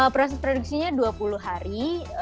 proses produksinya dua puluh hari